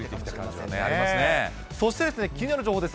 そして、気になる情報です。